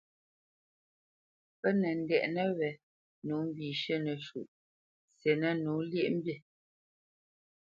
Pǝ nǝ ndɛnǝ wé nǒ mbíshʉ̂ nǝshu sɩ́nǝ nǒ lyéʼmbí.